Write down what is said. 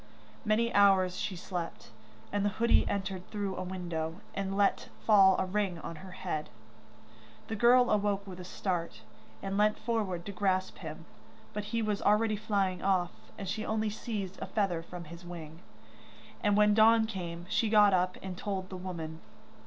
Many hours she slept, and the hoodie entered through a window, and let fall a ring on her hand. The girl awoke with a start, and leant forward to grasp him, but he was already flying off, and she only seized a feather from his wing. And when dawn came, she got up and told the woman.